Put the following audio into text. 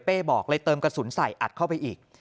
บอกเลยเติมกระสุนใส่อัดเข้าไปอีก